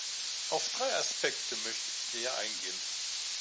Auf drei Aspekte möchte ich näher eingehen.